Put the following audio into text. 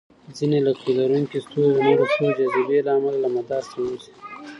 ځینې لکۍ لرونکي ستوري د نورو ستورو جاذبې له امله له مدار څخه ووځي.